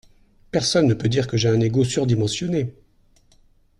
Personne ne peut dire que j’ai un ego surdimensionné.